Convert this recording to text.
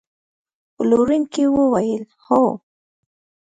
پلورونکي وویل: هو.